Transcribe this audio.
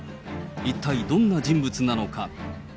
一体どんな人物なのか。